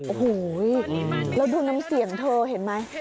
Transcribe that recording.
โอ้โหแล้วดูน้ำเสียงเธอเห็นไหม